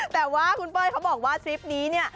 แต่ว่าคุณป้อยเค้าบอกว่าทริปนี้